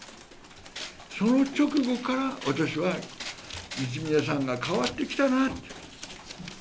その直後から私は泉田さんが変わってきたなと。